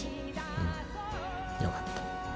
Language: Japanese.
うんよかった。